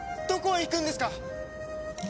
どこへ行くんですか！